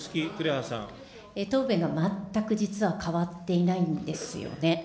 答弁が全く実は変わっていないんですよね。